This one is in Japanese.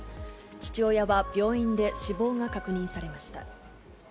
父親は病院で、死亡が確認されました。